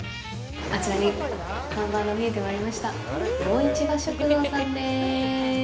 あちらに看板が見えてまいりました、魚市場食堂さんです。